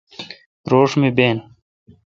روݭ می بین۔